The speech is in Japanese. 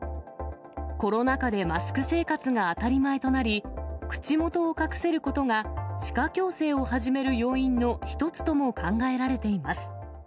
コロナ禍でマスク生活が当たり前となり、口元を隠せることが歯科矯正を始める要因の１つとも考えられています。